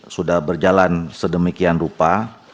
sudah berjalan sedemikian rupa